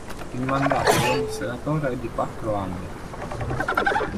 Il mandato di ogni senatore è di quattro anni.